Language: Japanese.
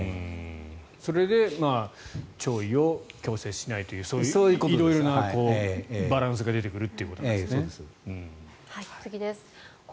それで弔意を強制しないという色々なバランスが出てくるということですね。